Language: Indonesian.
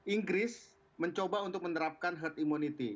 inggris mencoba untuk menerapkan herd immunity